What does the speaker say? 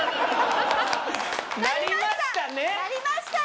「なりましたね」？